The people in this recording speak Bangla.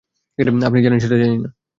আপনি জানেন সেটা জানিনা।